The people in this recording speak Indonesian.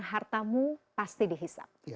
hartamu pasti dihisap